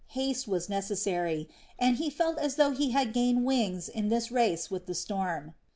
Haste was necessary, and he felt as though he had gained wings in this race with the storm.